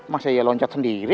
masya allah loncat sendiri